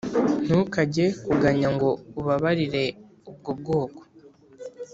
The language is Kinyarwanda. ntukajye kuganya ngo ubabarire ubwo bwoko